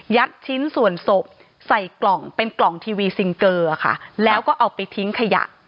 ชิ้นส่วนศพใส่กล่องเป็นกล่องทีวีซิงเกอร์ค่ะแล้วก็เอาไปทิ้งขยะ